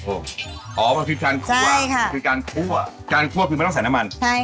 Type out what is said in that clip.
อ๋อหมูกรอบพริกการคั่วคือการคั่วคือการคั่วคือไม่ต้องใส่น้ำมัน